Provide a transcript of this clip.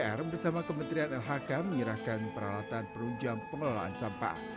kementerian pupr bersama kementerian lhk mengirahkan peralatan perunjang pengelolaan sampah